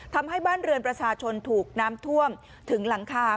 ทำให้บ้านเรือนประชาชนถูกน้ำท่วมถึงหลังคา